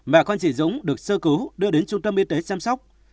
bà con chị dũng được sơ cứu đưa đến trung tâm y tế chăm sóc